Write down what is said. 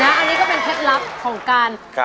อันนี้ก็เป็นเคล็ดลับของการ